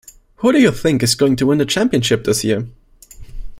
Who do you think's going to win the championship this year?